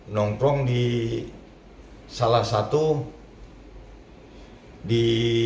nongkrong di salah satu di